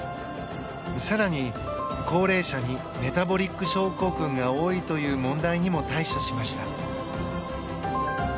更に、高齢者にメタボリック症候群が多いという問題にも対処しました。